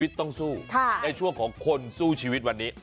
ต้องสู้ในช่วงของคนสู้ชีวิตวันนี้